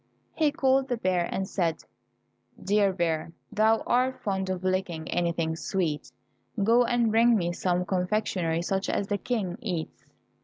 He called the bear, and said, "Dear Bear, thou art fond of licking anything sweet; go and bring me some confectionery, such as the King eats."